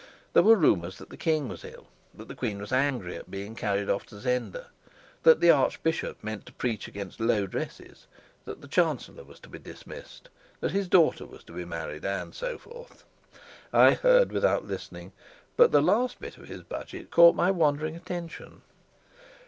There were rumors that the king was ill; that the queen was angry at being carried off to Zenda; that the archbishop meant to preach against low dresses; that the chancellor was to be dismissed; that his daughter was to be married; and so forth. I heard without listening. But the last bit of his budget caught my wandering attention.